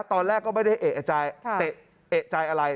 ตอนแรกก็ไม่ได้เอกใจเอกใจอะไร